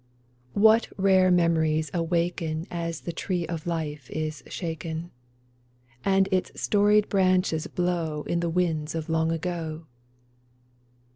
GETTYSBURG 12/ What rare memories awaken As the tree of life is shaken, And its storied branches blow In the winds of long ago